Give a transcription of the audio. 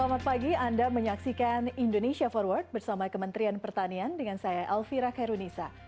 selamat pagi anda menyaksikan indonesia forward bersama kementerian pertanian dengan saya elvira kairunisa